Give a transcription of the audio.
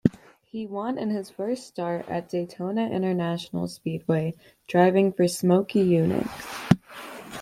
He won in his first start, at Daytona International Speedway driving for Smokey Yunick.